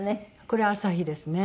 これ朝日ですね。